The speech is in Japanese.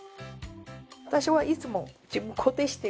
私はいつも自分固定してる。